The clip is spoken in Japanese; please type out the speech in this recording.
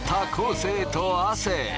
生と亜生。